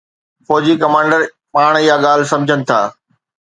فوجي ڪمانڊر پاڻ اها ڳالهه سمجهن ٿا.